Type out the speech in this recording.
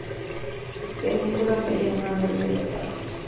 Pedúnculo mediano o largo y delgado.